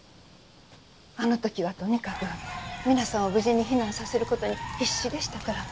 あの時はとにかく皆さんを無事に避難させる事に必死でしたから。